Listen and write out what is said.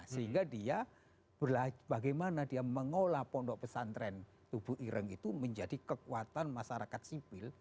sehingga dia bagaimana dia mengolah pondok pesantren tubuh ireng itu menjadi kekuatan masyarakat sipil